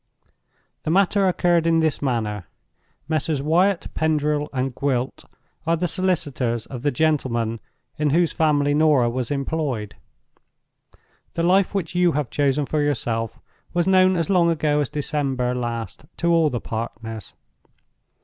"The matter occurred in this manner. Messrs. Wyatt, Pendril, and Gwilt are the solicitors of the gentleman in whose family Norah was employed. The life which you have chosen for yourself was known as long ago as December last to all the partners.